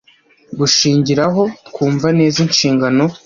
gushingiraho twumva neza inshingano